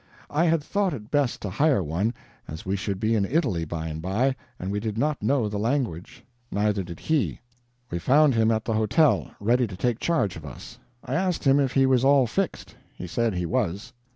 I had thought it best to hire one, as we should be in Italy, by and by, and we did not know the language. Neither did he. We found him at the hotel, ready to take charge of us. I asked him if he was "all fixed." He said he was.